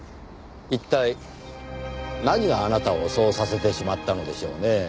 一体何があなたをそうさせてしまったのでしょうねぇ。